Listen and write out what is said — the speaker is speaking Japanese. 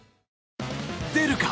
出るか？